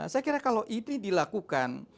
saya kira kalau itu dilakukan